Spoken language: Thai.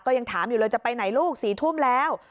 ยังถามอยู่เลยจะไปไหนลูก๔ทุ่มแล้ว